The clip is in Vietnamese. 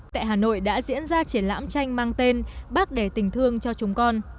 tại hà nội đã diễn ra triển lãm tranh mang tên bác đẻ tình thương cho chúng con